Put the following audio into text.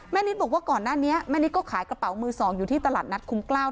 นิดบอกว่าก่อนหน้านี้แม่นิดก็ขายกระเป๋ามือ๒อยู่ที่ตลาดนัดคุ้มกล้าว